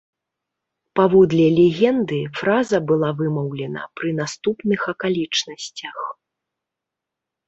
Паводле легенды, фраза была вымаўлена пры наступных акалічнасцях.